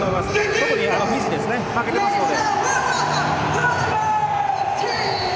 特にフィジーですね負けてますので。